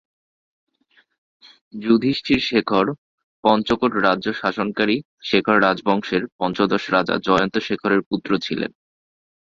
যুধিষ্ঠির শেখর পঞ্চকোট রাজ্য শাসনকারী শেখর রাজবংশের পঞ্চদশ রাজা জয়ন্ত শেখরের পুত্র ছিলেন।